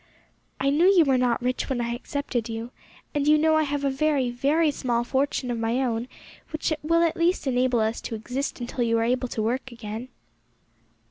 I knew you were not rich when I accepted you, and you know I have a very, very small fortune of my own which will at least enable us to exist until you are able to work again."